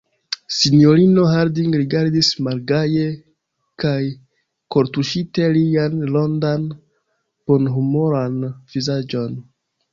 Sinjorino Harding rigardis malgaje kaj kortuŝite lian rondan, bonhumoran vizaĝon.